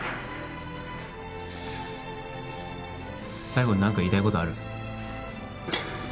最後に何か言いたい事ある？